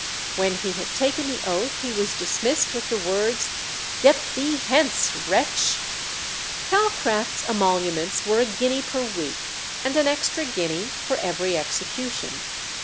When he had taken the oath he was dismissed with the words, "Get thee hence, wretch!" Calcraft's emoluments were a guinea per week, and an extra guinea for every execution.